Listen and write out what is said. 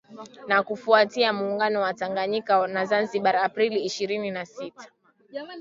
Ni kufuatia Muungano wa Tanganyika na Zanzibar Aprili ishirini na sita